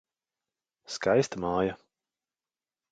Skaista māja.